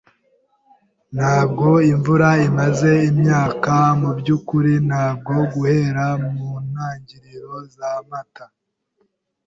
Ntabwo imvura imaze imyaka; mubyukuri, ntabwo guhera muntangiriro za Mata.